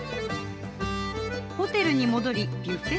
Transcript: ホテルに戻りビュッフェ